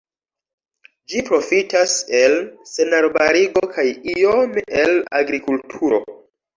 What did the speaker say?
Ĝi profitas el senarbarigo kaj iome el agrikulturo.